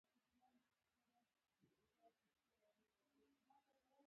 د نسخې کیمیاوي تجزیه کاربن له پاره وشي.